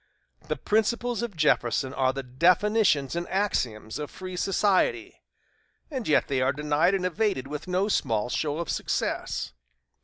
The principles of Jefferson are the definitions and axioms of free society. And yet they are denied and evaded with no small show of success.